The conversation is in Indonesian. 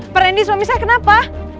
pari ini suami saya kenapa